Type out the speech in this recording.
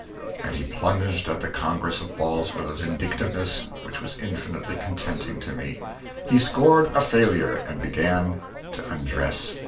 And he plunged at the congress of balls with a vindictiveness which was infinitely contenting to me. He scored a failure and began to undress.